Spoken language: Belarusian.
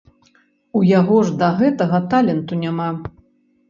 У яго ж да гэтага таленту няма.